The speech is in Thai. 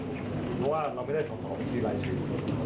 หรือว่าเราไม่ได้ถอดของวิธีไหลซึ่ง